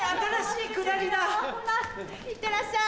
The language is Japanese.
いってらっしゃい。